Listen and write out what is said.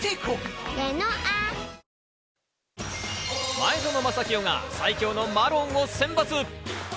前園真聖が最強のマロンを選抜！